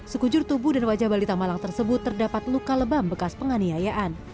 sekujur tubuh dan wajah balita malang tersebut terdapat luka lebam bekas penganiayaan